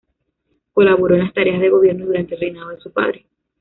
Colaboró en las tareas de gobierno durante el reinado de su padre.